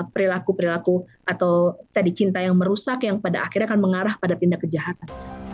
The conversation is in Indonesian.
perilaku perilaku atau tadi cinta yang merusak yang pada akhirnya akan mengarah pada tindak kejahatan